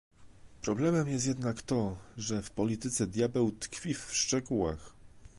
Problemem jest jednak to, że w polityce diabeł tkwi w szczegółach